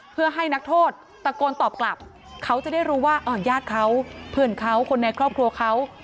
เพื่อให้นักโทษตะโกนตอบกลับเขาจะได้รู้ว่าญาติเขาเพื่อนเขาคนในครอบครัวเขา